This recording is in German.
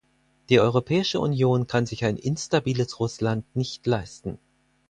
Die Europäische Union kann sich ein instabiles Russland nicht leisten.